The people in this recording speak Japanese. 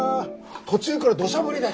途中からどしゃ降りで。